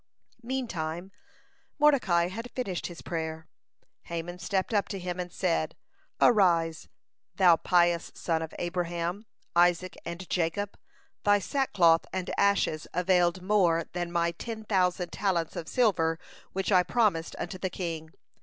Meantime Mordecai had finished his prayer. Haman stepped up to him, and said: "Arise, thou pious son of Abraham, Isaac, and Jacob. Thy sackcloth and ashes availed more than my ten thousand talents of silver, which I promised unto the king.